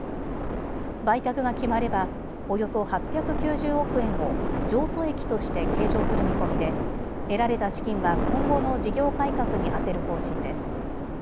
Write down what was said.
売却が決まればおよそ８９０億円を譲渡益として計上する見込みで得られた資金は今後の事業改革に充てる方針です。